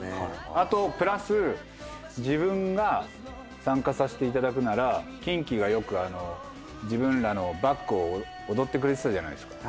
あとプラス自分が参加させていただくならキンキがよく自分らのバックを踊ってくれてたじゃないですか。